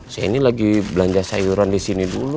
saya ini lagi belanja sayuran di sini dulu